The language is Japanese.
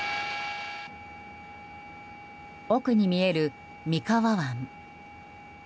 奥に見える三河湾。